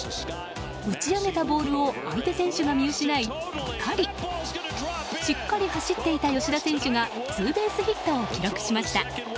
打ち上げたボールを相手選手が見失いしっかり走っていた吉田選手がツーベースヒットを記録しました。